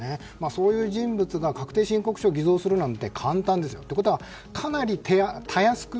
そういう人物が確定申告書を偽造するなんて簡単ですよ。ということはかなりたやすく